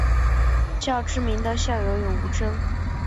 较知名的校友有吴峥。